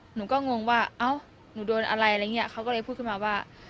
หนูก็งงว่าเอ้าหนูโดนอะไรอะไรอย่างเงี้ยเขาก็เลยพูดขึ้นมาว่า